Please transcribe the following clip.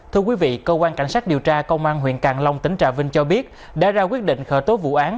thưa quý vị cơ quan cảnh sát điều tra công an huyện càng long tỉnh trà vinh cho biết đã ra quyết định khởi tố vụ án